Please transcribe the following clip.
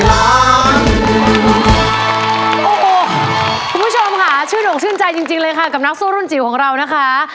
โอ้โหคุณผู้ชมค่ะชื่นอกชื่นใจจริงเลยค่ะกับนักสู้รุ่นจิ๋วของเรานะคะ